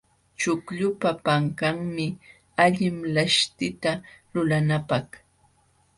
Chuqllupa panqanmi allin laśhtita lulanapaq.